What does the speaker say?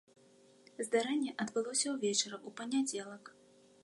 Здарэнне адбылося ўвечары ў панядзелак.